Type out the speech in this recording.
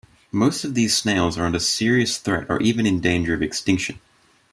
Most of these snails are under serious threat or even in danger of extinction.